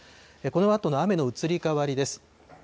このあとの雨の移り変わりです。